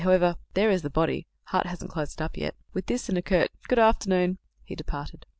However, there is the body; Hart hasn't closed it up yet." With this and a curt "good afternoon" he departed.